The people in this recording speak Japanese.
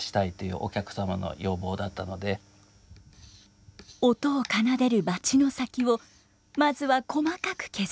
音を奏でるバチの先をまずは細かく削っていきます。